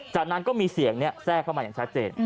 จากนั้นก็มีเสียงแทรกเข้ามาอย่างชัดเจน